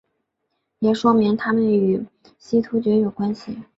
也说明他们与西突厥有关系。